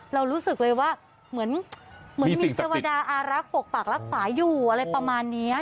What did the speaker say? เรารู้สึกเลยว่าเหมือนมีเทวดาอารักษ์ปกปักรักษาอยู่อะไรประมาณนี้